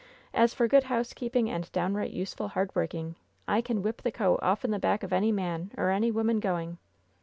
as for good housekeeping and downright useful hard working, I can whip the coat offen the back of any man or any woman going."